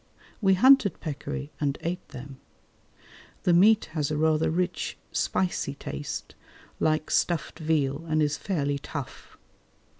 We hunted peccary and eat them. The meat has a rather rich, spicy taste, like stuffed veal, and is fairly tough.